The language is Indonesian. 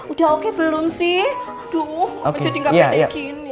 udah oke belum sih aduh menjadi nggak pedek gini